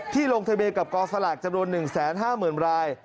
ลงทะเบียนกับกองสลากจำนวน๑๕๐๐๐ราย